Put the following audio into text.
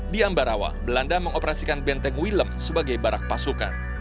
di ambarawa belanda mengoperasikan benteng willem sebagai barak pasukan